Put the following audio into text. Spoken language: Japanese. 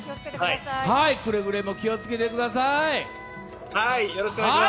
くれぐれも気をつけてください。